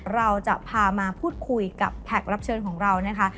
เราจะพามาพูดคุยกับแขกรับเชิญของเรานะคะ